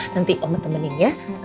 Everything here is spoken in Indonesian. nanti oma temenin ya